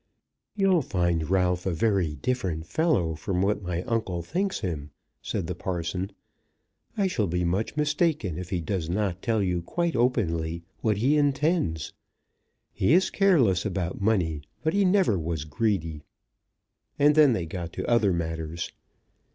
"You'll find Ralph a very different fellow from what my uncle thinks him," said the parson. "I shall be much mistaken if he does not tell you quite openly what he intends. He is careless about money, but he never was greedy." And then they got to other matters.